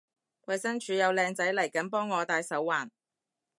衛生署有靚仔嚟緊幫我戴手環